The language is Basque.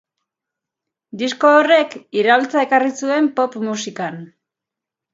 Disko horrek iraultza ekarri zuen pop musikan.